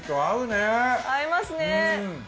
合いますね。